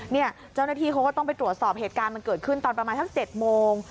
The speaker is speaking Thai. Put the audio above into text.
เนี่ยเจ้าหน้าที่เขาก็ต้องไปตรวจสอบเหตุการณ์มันเกิดขึ้นตอนประมาณสัก๗โมง